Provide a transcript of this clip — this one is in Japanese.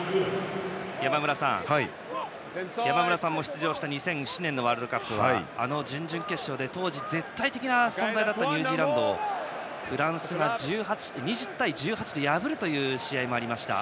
山村さんも出場した２００７年のワールドカップはあの準々決勝で絶対的な存在のニュージーランドをフランスが２０対１８で破る試合がありました。